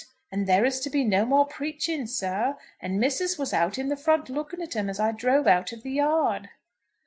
And there is to be no more preaching, sir. And missus was out in the front looking at 'em as I drove out of the yard."